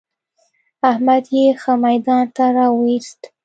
احمد يې ښه ميدان ته را ويوست.